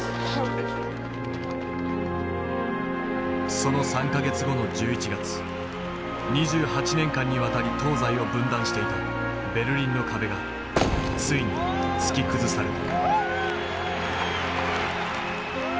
その３か月後の１１月２８年間にわたり東西を分断していたベルリンの壁がついに突き崩された。